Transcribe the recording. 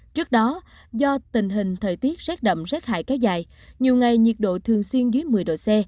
trước đó do tình hình thời tiết rét đậm rét hại kéo dài nhiều ngày nhiệt độ thường xuyên dưới một mươi độ c